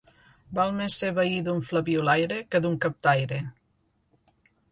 Val més ser veí d'un flabiolaire, que d'un captaire.